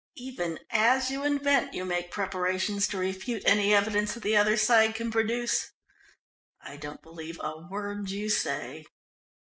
Even as you invent you make preparations to refute any evidence that the other side can produce. I don't believe a word you say."